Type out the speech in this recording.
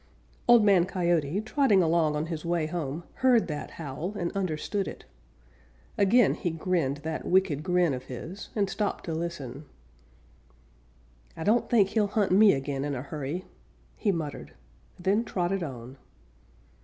Old Man Coyote, trotting along on his way home, heard that howl and understood it. Again he grinned that wicked grin of his, and stopped to listen. "I don't think he'll hunt me again in a hurry," he muttered, then trotted on.